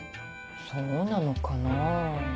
そうなのかなぁ。